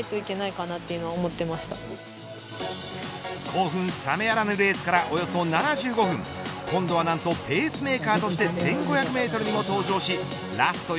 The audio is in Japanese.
興奮さめやらぬレースからおよそ７５分今度は何とペースメーカーとして１５００メートルにも登場しラスト